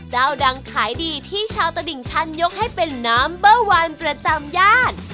เจ้าดังขายดีที่ชาวตลิ่งชันยกให้เป็นน้ำเบอร์วันประจำย่าน